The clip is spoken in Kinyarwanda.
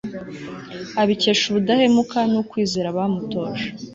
abikesha ubudahemuka n'ukwizera bamutoje